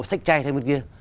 xách chay sang bên kia